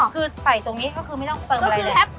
คือใส่ตรงนี้ก็คือไม่ต้องเติมอะไรเลย